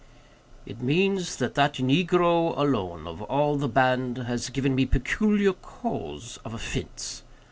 "It means that that negro alone, of all the band, has given me peculiar cause of offense.